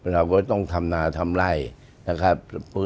เราก็ต้องทำนาทำไล่นะครับ